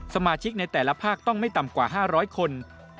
สมาชิกในแต่ละภาคต้องไม่ต่ำกว่า๕๐๐คน